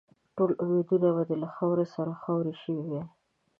ټول امیدونه به دې له خاورو سره خاوري شوي وای.